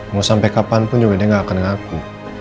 mau sampai kapanpun juga dia gak akan ngaku